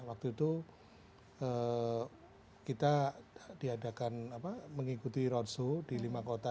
waktu itu kita diadakan mengikuti roadshow di lima kota